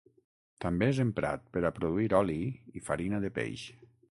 També és emprat per a produir oli i farina de peix.